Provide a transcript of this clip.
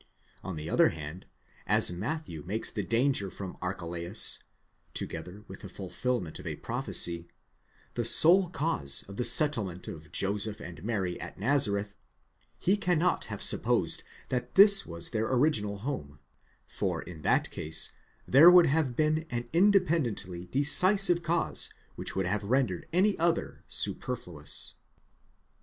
On the other hand as Matthew makes the danger from Archelaus (together with the fulfilment of a prophecy) the sole cause of the settlement of Joseph and Mary at Nazareth, he cannot have supposed that this was their original home, for in that case there would have been an independently decisive cause which would have rendered any other superfluous.